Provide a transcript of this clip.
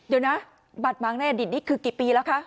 เดี๋ยวนะบาดหมางในอดีตนี่คือกี่ปีแล้วคะ